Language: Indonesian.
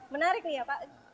menarik nih ya pak